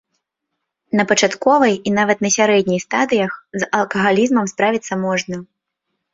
На пачатковай і нават на сярэдняй стадыях з алкагалізмам справіцца можна.